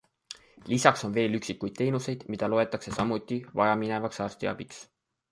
Lisaks on veel üksikud teenused, mida loetakse samuti vajaminevaks arstiabiks.